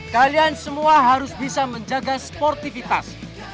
kalian semua harus bisa menjaga sportivitas